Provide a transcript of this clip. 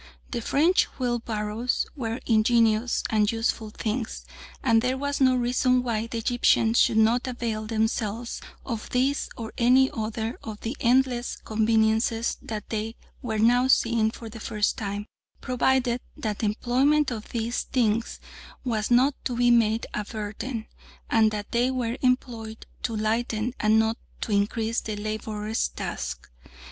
The French wheelbarrows were ingenious and useful things, and there was no reason why the Egyptians should not avail themselves of these or any other of the endless conveniences that they were now seeing for the first time, provided that the employment of these things was not to be made a burden, and that they were employed to lighten and not to increase the labourer's task.